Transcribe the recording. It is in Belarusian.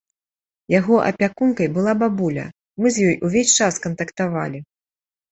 Яго апякункай была бабуля, мы з ёй увесь час кантактавалі.